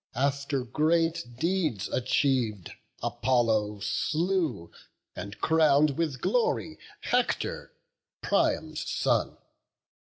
After great deeds achiev'd, Apollo slew, And crown'd with glory Hector, Priam's son.